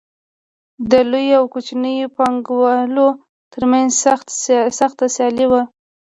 د لویو او کوچنیو پانګوالو ترمنځ سخته سیالي وه